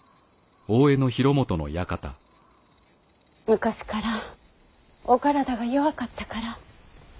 昔からお体が弱かったから。